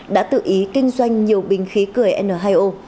đã tự ý kinh doanh nhiều bình khí cười n hai o